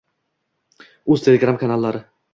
uz Telegram kanallari👇